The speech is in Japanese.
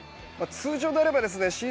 通常であればですね